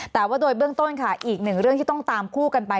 แต่ว่าโดยเบื้องต้นค่ะอีกหนึ่งเรื่องที่ต้องตามคู่กันไป